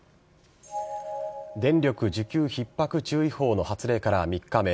電力需給ひっ迫注意報の発令から３日目。